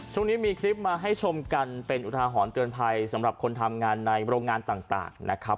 ช่วงนี้มีคลิปมาให้ชมกันเป็นอุทาหรณ์เตือนภัยสำหรับคนทำงานในโรงงานต่างนะครับ